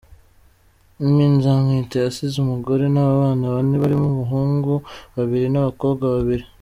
Me Nzamwita yasize umugore n’abana bane barimo abahungu babiri n’abakobwa babiri.